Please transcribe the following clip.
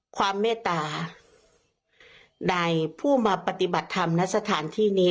เมตตาในผู้มาปฏิบัติธรรมณสถานที่นี้